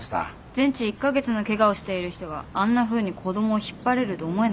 全治１カ月のケガをしている人があんなふうに子供を引っ張れると思えなかったので。